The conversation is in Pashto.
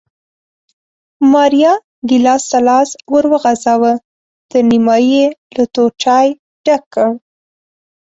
ماریا ګېلاس ته لاس ور وغځاوه، تر نیمایي یې له تور چای ډک کړ